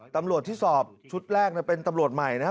ตำรวจที่สอบชุดแรกเป็นตำรวจใหม่นะครับ